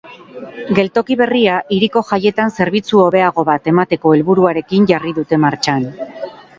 Geltoki berria hiriko jaietan zerbitzu hobeago bat emateko helburuarekin jarri dute martxan.